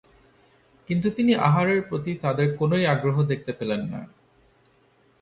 কিন্তু তিনি আহারের প্রতি তাদের কোনই আগ্রহ দেখতে পেলেন না।